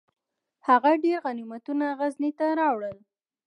هغه ډیر غنیمتونه غزني ته راوړل.